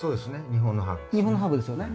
日本のハーブですよね。